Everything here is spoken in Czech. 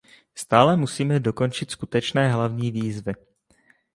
Stále musíme dokončit skutečné hlavní výzvy.